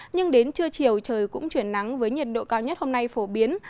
nhưng đến trưa chiều trời cũng chuyển nắng với nhiệt độ cao nhất hôm nay phổ biến